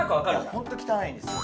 いやホント汚いんですよ